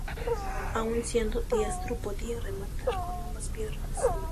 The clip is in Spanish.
Aun siendo diestro, podía rematar con ambas piernas.